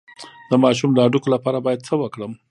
د ماشوم د هډوکو لپاره باید څه وکړم؟